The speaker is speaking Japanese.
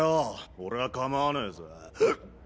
俺は構わねえぜヒック。